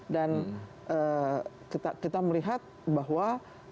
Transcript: dan kita melihat bahwa